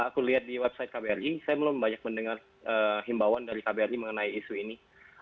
aku lihat di website kbri saya belum banyak mendengar himbauan dari kbri mengenai isu ini